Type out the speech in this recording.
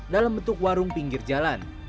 dalam bentuk warung pinggir jalan